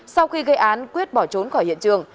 sau khi gây án quyết bỏ trốn khỏi hiện trường